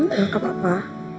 nih gak apa apa